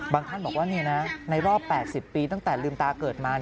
ท่านบอกว่านี่นะในรอบ๘๐ปีตั้งแต่ลืมตาเกิดมา